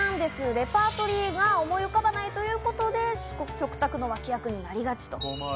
レパートリーが思い浮かばないということで食卓の脇役になりがち。